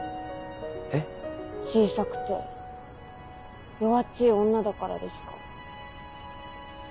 えっ？小さくて弱っちぃ女だからですか？